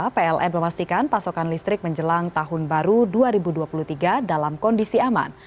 pln memastikan pasokan listrik menjelang tahun baru dua ribu dua puluh tiga dalam kondisi aman